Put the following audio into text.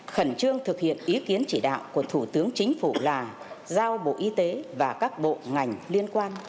khẩn trương thực hiện ý kiến chỉ đạo của thủ tướng chính phủ lào giao bộ y tế và các bộ ngành liên quan